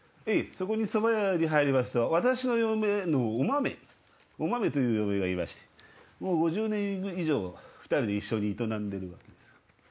そこのそば屋に入りますと私の嫁のおまめおまめという嫁がいましてもう５０年以上２人で一緒に営んでるんですが。